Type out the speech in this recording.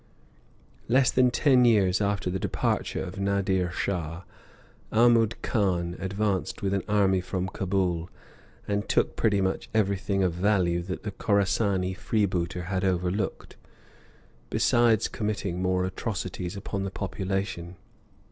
Less than ten years after the departure of Nadir Shah, Ahmud Khan advanced with an army from Cabool, and took pretty much everything of value that the Khorassani freebooter had overlooked, besides committing more atrocities upon the population.